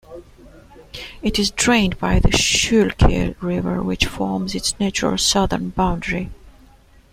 It is drained by the Schuylkill River which forms its natural southern boundary.